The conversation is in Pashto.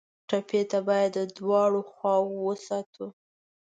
ټپي ته باید د دوا دواړه خواوې وساتو.